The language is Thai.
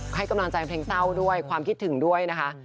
ให้กำลังใจเพลงเศร้าด้วยความคิดถึงด้วยนะคะ